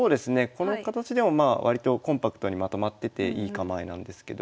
この形でもまあ割とコンパクトにまとまってていい構えなんですけど。